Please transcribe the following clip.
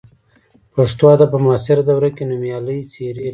پښتو ادب په معاصره دوره کې نومیالۍ څېرې لري.